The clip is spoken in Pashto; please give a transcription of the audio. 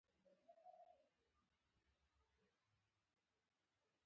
نیت پاک وساته.